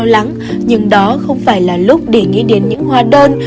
chị em đau lắng nhưng đó không phải là lúc để nghĩ đến những hoa đơn